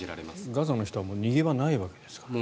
ガザの人は逃げ場がないわけですからね。